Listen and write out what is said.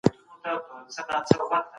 پروردګار غواړي چي خلیفه په حق فيصلي وکړي.